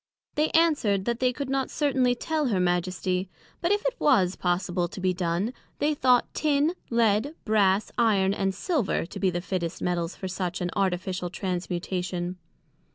They answered, That they could not certainly tell her Majesty, but if it was possible to be done, they thought Tin, Lead, Brass, Iron and Silver, to be the fittest Metals for such an Artificial Transmutation.